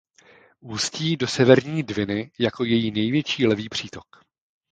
Ústí do Severní Dviny jako její největší levý přítok.